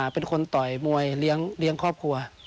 เป็นคนต่อยมวยเลี้ยงครอบครัว